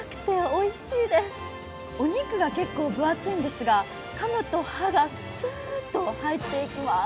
お肉が結構分厚いんですが、かむとスーッと歯が入っていきます。